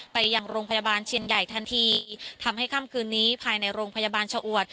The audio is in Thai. ไปยังโรงพยาบาลเชียงใหญ่ทันทีทำให้ค่ำคืนนี้ภายในโรงพยาบาลชะอวด